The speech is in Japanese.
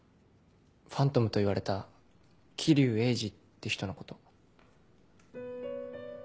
ファントムといわれた霧生鋭治って人のこと。